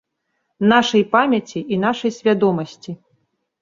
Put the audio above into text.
Нашай памяці і нашай свядомасці.